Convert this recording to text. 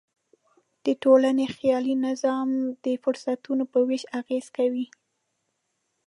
د ټولنې خیالي نظام د فرصتونو په وېش اغېز کوي.